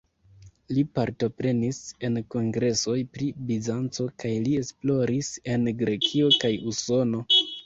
Li partoprenis en kongresoj pri Bizanco kaj li esploris en Grekio kaj Usono.